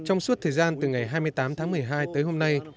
trong suốt thời gian từ ngày hai mươi tám tháng một mươi hai tới hôm nay